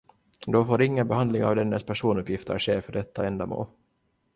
Då får ingen behandling av dennes personuppgifter ske för detta ändamål.